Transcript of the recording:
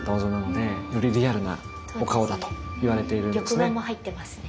玉眼も入ってますね。